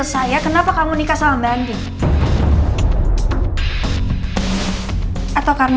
saya mau keluar